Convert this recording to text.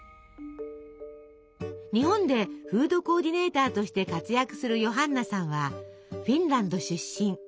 日本でフードコーディネーターとして活躍するヨハンナさんはフィンランド出身。